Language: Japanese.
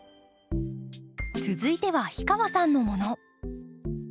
続いては氷川さんのもの。